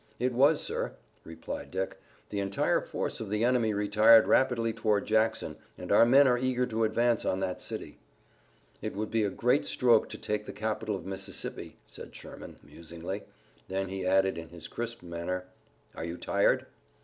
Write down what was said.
"It was, sir," replied Dick. "The entire force of the enemy retired rapidly toward Jackson, and our men are eager to advance on that city." "It would be a great stroke to take the capital of Mississippi," said Sherman musingly. Then he added in his crisp manner: "Are you tired?"